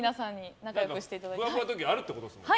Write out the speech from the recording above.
ふわふわ特技があるってことですよね？